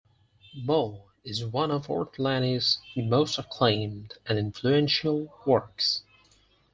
"More" is one of Ortolani's most acclaimed and influential works.